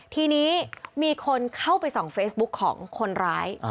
ทีนี้มีคนเข้าไปส่องเฟซบุ๊คของคนร้าย